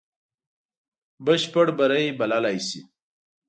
بشپړ بری بللای سي.